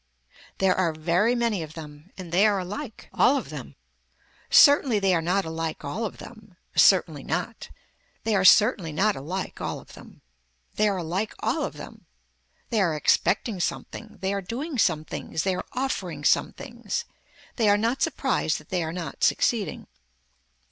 There are very many of them. And they are alike, all of them. Certainly they are not alike all of them. Certainly not. They are certainly not alike all of them. They are alike all of them. They are expecting something, they are doing some things, they are offering some things. They are not surprised that they are not succeeding.